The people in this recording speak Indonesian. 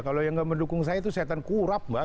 kalau yang nggak mendukung saya itu setan kurap mbak